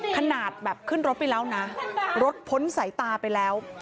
ขนาดแบบขึ้นรถไปแล้วนะรถพ้นสายตาไปแล้ว